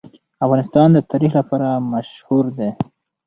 افغانستان د تاریخ لپاره مشهور دی.